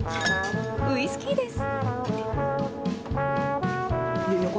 ウイスキーです。